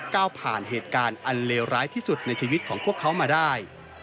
ก้าวผ่านเหตุการณ์อันเลวร้ายที่สุดในชีวิตของพวกเขามาได้